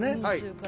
はい。